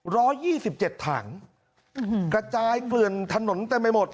ยี่สิบเจ็ดถังกระจายเกลื่อนถนนเต็มไปหมด